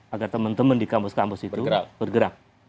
agar teman teman di kampus kampus itu bergerak